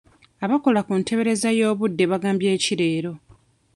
Abakola ku nteebereza y'obudde bagambye ki leero?